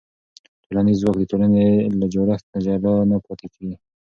ټولنیز ځواک د ټولنې له جوړښت نه جلا نه پاتې کېږي.